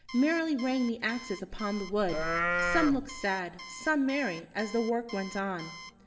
Merrily rang the axes upon the wood. Some looked sad, some merry, as the work went on.